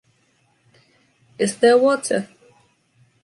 Is there water?